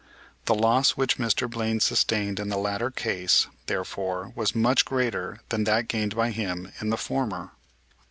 The loss which Mr. Blaine sustained in the latter case, therefore, was much greater than that gained by him in the former.